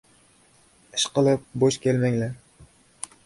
Ishqilib, bo‘sh kelmanglar!